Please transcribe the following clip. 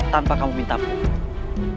tanpa kamu minta pun